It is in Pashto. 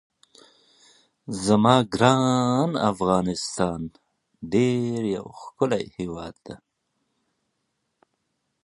اداري بدلون د اړتیا له مخې کېږي